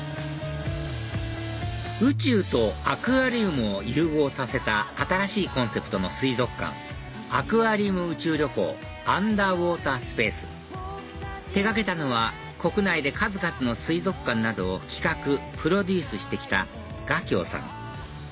宇宙とアクアリウムを融合させた新しいコンセプトの水族館アクアリウム宇宙旅行ＵＮＤＥＲＷＡＴＥＲＳＰＡＣＥ手がけたのは国内で数々の水族館などを企画プロデュースしてきたＧＡ☆ＫＹＯさん